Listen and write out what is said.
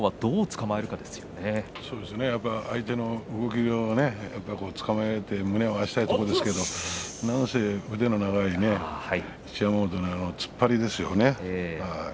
相手の動きをつかまえて胸を合わせたいところですけれどなにせ腕の長い一山本の突っ張りですよね。